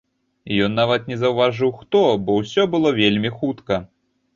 Ён нават не заўважыў хто, бо ўсё было вельмі хутка.